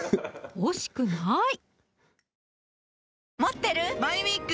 惜しくない！